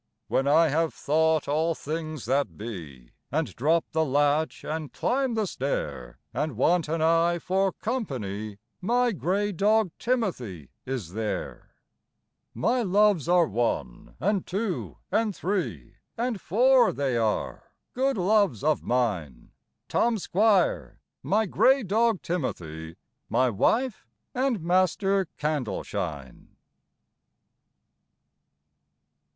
When I have thought all things that be, And drop the latch and climb the stair, And want an eye for company, My grey dog Timothy is there. My loves are one and two and three And four they are, good loves of mine, Tom Squire, my grey dog Timothy, My wife and Master Candleshine.